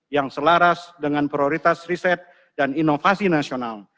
yang selaras dengan prioritas riset dan inovasi nasional